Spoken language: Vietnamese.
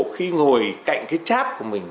khi ngồi cạnh cái cháp của mình